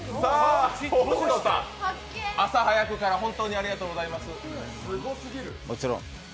朝早くから本当にありがとうございます。